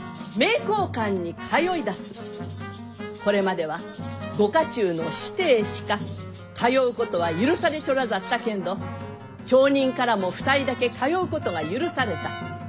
これまではご家中の子弟しか通うことは許されちょらざったけんど町人からも２人だけ通うことが許された。